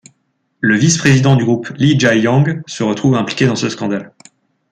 Le vice-président du groupe Lee Jae-yong se trouve impliqué dans ce scandale.